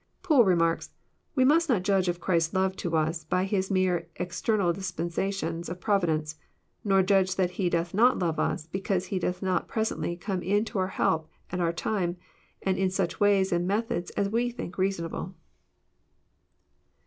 Poole remarks :We must not Judge of Chrlsfs love to us by His mere external dispensations of providence, nor judge that He doth not love us, because He doth not presently come in to our help at our time, and in such ways and methods as we think reasonable."